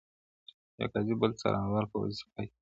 یو قاضي بل څارنوال په وظیفه کي,